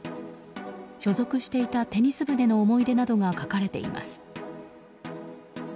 所属していたテニス部での思い出などが書かれています。